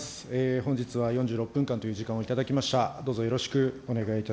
本日は４６分間という時間を頂きました。